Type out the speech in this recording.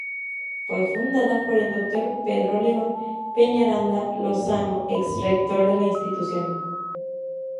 Fue fundada por el Dr. Pedro León Peñaranda Lozano, ex-rector de la institución.